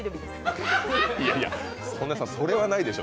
曽根さん、それはないでしょ